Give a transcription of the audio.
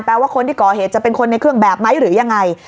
ว่าคนที่ก่อเหตุจะเป็นคนในเครื่องแบบไหมหรือยังไง